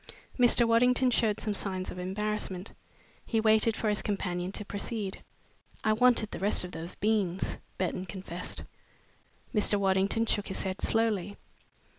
Mr. Waddington showed some signs of embarrassment. He waited for his companion to proceed. "I wanted the rest of those beans," Burton confessed. Mr. Waddington shook his head slowly.